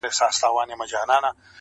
پر كومه تگ پيل كړم~